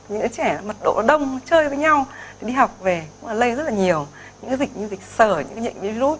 những trẻ mật độ đông chơi với nhau đi học về cũng là lây rất là nhiều những dịch như dịch sở những dịch virus